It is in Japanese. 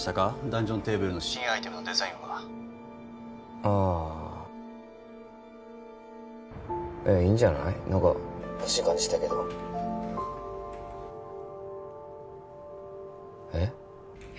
ダンジョンテーブルの新アイテムのデザインはああいいんじゃない何かほしい感じしたけどえっ？